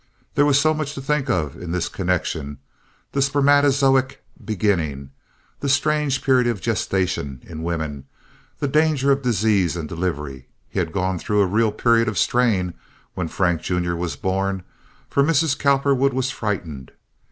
There was so much to think of in this connection—the spermatozoic beginning, the strange period of gestation in women, the danger of disease and delivery. He had gone through a real period of strain when Frank, Jr., was born, for Mrs. Cowperwood was frightened.